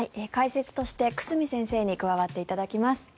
解説として久住先生に加わっていただきます。